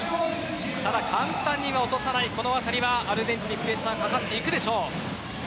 ただ簡単には落とさないあたりはアルゼンチンにプレッシャーをかけていくでしょう。